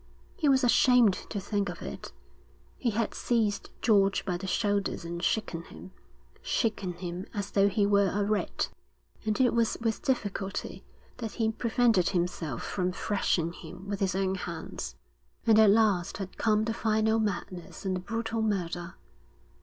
He was ashamed to think of it. He had seized George by the shoulders and shaken him, shaken him as though he were a rat; and it was with difficulty that he prevented himself from thrashing him with his own hands. And at last had come the final madness and the brutal murder.